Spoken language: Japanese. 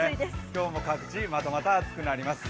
今日も各地またまた暑くなります。